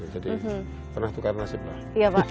jadi pernah tukar nasib lah